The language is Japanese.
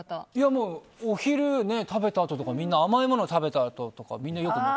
お昼、食べたあととかみんな甘いもの食べたあととかみんなよく。